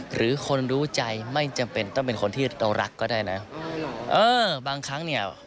หรือคนรู้ใจไม่จำเป็นต้องเป็นคนที่เรารักก็ได้นะเออบางครั้งเนี่ย